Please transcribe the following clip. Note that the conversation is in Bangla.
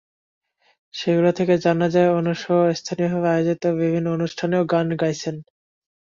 সেগুলো থেকে জানা যায়, আনুশেহ্ স্থানীয়ভাবে আয়োজিত বিভিন্ন অনুষ্ঠানে গানও গাইছেন।